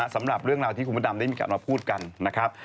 สำหรับเรื่องราวที่คุณพระดำได้มีการมาพูดกันนะครับ